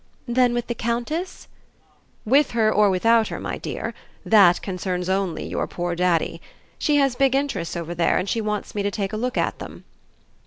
"Then with the Countess?" "With her or without her, my dear; that concerns only your poor daddy. She has big interests over there, and she wants me to take a look at them."